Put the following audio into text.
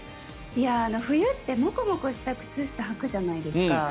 冬ってもこもこした靴下はくじゃないですか。